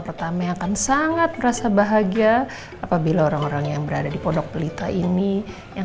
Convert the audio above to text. pertama akan sangat merasa bahagia apabila orang orang yang berada di pondok pelita ini yang